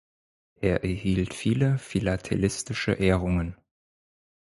Er erhielt viele philatelistische Ehrungen.